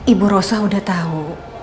ibu rosa udah tahu